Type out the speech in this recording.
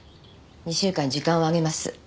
２週間時間をあげます